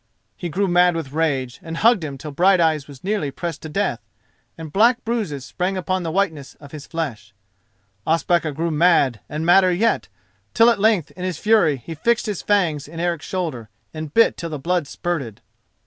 He grew mad with rage, and hugged him till Brighteyes was nearly pressed to death, and black bruises sprang upon the whiteness of his flesh. Ospakar grew mad, and madder yet, till at length in his fury he fixed his fangs in Eric's shoulder and bit till the blood spurted.